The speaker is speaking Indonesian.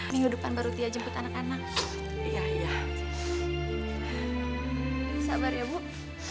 minggu depan baru tia jemput anak anak